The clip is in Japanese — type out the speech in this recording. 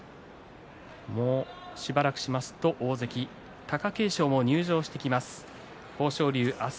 もうしばらくしますと大関貴景勝も入場してきます。